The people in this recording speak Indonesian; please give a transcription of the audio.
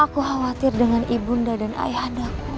aku khawatir dengan ibunda dan ayah anda